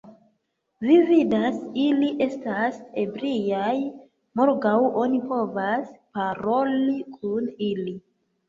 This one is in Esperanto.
Vi vidas, ili estas ebriaj, morgaŭ oni povos paroli kun ili!